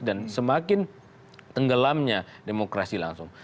dan semakin tenggelamnya demokrasi langsung